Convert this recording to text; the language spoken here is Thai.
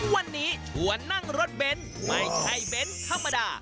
วันนี้ชวนนั่งรถเบนท์ไม่ใช่เบนท์ธรรมดา